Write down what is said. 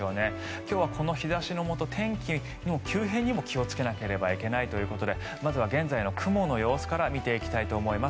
今日はこの日差しのもと天気の急変にも気をつけなければいけないということでまずは現在の雲の様子から見ていきたいと思います。